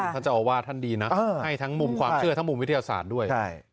ท่านเจ้าอาวาสท่านดีนะให้ทั้งมุมความเชื่อทั้งมุมวิทยาศาสตร์ด้วย